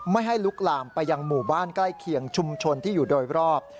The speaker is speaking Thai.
ไม่ให้ลุกลามไปยังหมู่บ้านใกล้เคียงชุมชนที่อยู่โดยรอบ